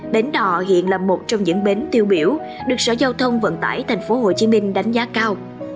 bến đò hiện là một trong những bến tiêu biểu được sở giao thông vận tải tp hcm đánh giá cao